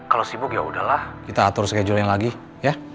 kalau sibuk yaudahlah kita atur schedule nya lagi ya